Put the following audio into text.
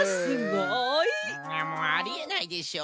もうありえないでしょう。